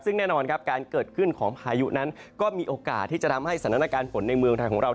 ซึ่งแน่นอนครับการเกิดขึ้นของพายุนั้นก็มีโอกาสที่จะทำให้สถานการณ์ฝนในเมืองไทยของเรา